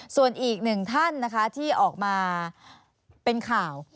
ส่วนอีกหนึ่งท่านนะคะที่ออกมาเป็นข่าว